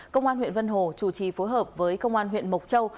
công an huyện vân hồ chủ trì phối hợp với công an huyện mộc châu